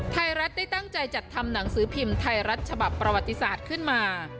ไทยรัฐได้ตั้งใจจัดทำหนังสือพิมพ์ไทยรัฐฉบับประวัติศาสตร์ขึ้นมา